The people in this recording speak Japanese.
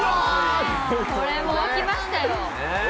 これも沸きましたよ。